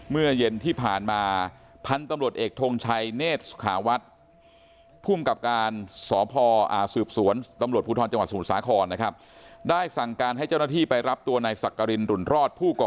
เมื่อเย็นที่ผ่านมาพันธุ์ตำรวจเอกถงชัยเนทสุขาวัด